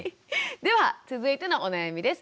では続いてのお悩みです。